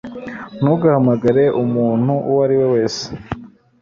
ntugahamagare umuntu uwo ari we wese